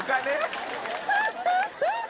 ハハハッ！